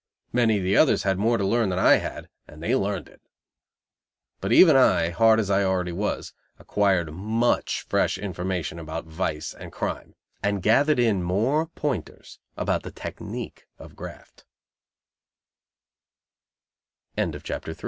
Many of the others had more to learn than I had, and they learned it. But even I, hard as I already was, acquired much fresh information about vice and crime; and gathered in more pointers about the tec